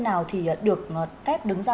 nào thì được phép đứng ra